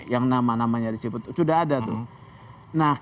yang nama namanya disebut sudah ada tuh